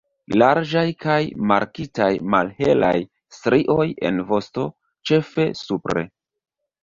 Larĝaj kaj markitaj malhelaj strioj en vosto, ĉefe supre.